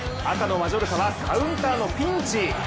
赤のマジョルカはカウンターのピンチ。